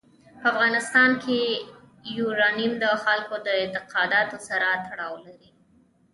په افغانستان کې یورانیم د خلکو د اعتقاداتو سره تړاو لري.